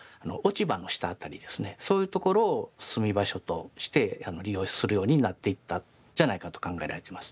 そういうところを住み場所として利用するようになっていったんじゃないかと考えられてます。